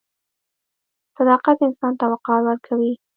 • صداقت انسان ته وقار ورکوي.